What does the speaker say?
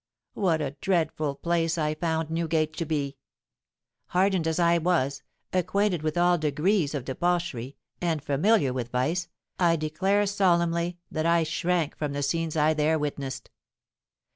What a dreadful place I found Newgate to be! Hardened as I was—acquainted with all degrees of debauchery—and familiar with vice, I declare solemnly that I shrank from the scenes I there witnessed.